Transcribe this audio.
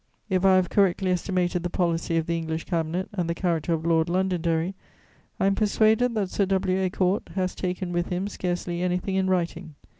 If I have correctly estimated the policy of the English Cabinet and the character of Lord Londonderry, I am persuaded that Sir W. A'Court has taken with him scarcely anything in writing.